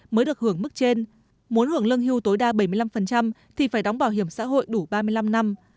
mới được hưởng mức trên muốn hưởng lương hưu tối đa bảy mươi năm thì phải đóng bảo hiểm xã hội đủ ba mươi năm năm